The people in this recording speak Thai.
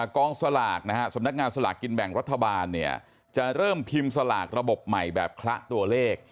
กองสลากนะฮะสำนักงานสลากกินแบ่งรัฐบาลจะเริ่มพิมพ์สลากระบบใหม่แบบคละตัวเลข